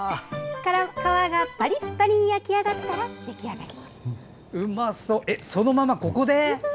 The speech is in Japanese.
皮がパリパリに焼き上がったら出来上がり。